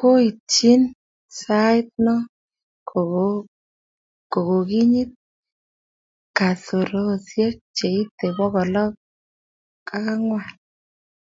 koitchini sait noe kokokinyit kasarosiek che itei bokol ang'wan.